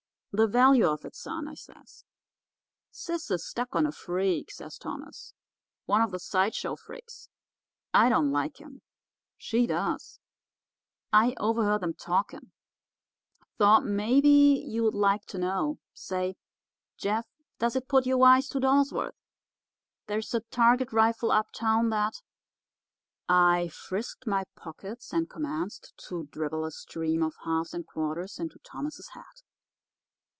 "'The value of it, son,' I says. "'Sis is stuck on a freak,' says Thomas, 'one of the side show freaks. I don't like him. She does. I overheard 'em talking. Thought maybe you'd like to know. Say, Jeff, does it put you wise two dollars' worth? There's a target rifle up town that—' "I frisked my pockets and commenced to dribble a stream of halves and quarters into Thomas's hat.